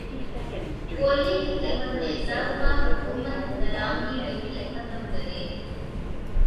کوئلے کی قیمت میں اضافہ حکومت درمدی ڈیوٹی ختم کرے